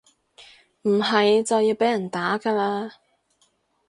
唔係就要被人打㗎喇